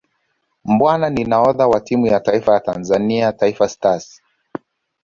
Mbwana ni nahodha wa timu ya taifa ya Tanzania Taifa Stars